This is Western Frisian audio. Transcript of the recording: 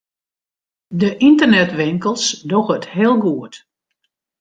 De ynternetwinkels dogge it heel goed.